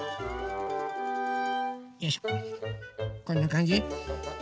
よいしょこんなかんじ？